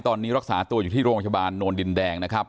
ตอนนี้รักษาตัวอยู่ที่โรงพยาบาลโนนดินแดงนะครับ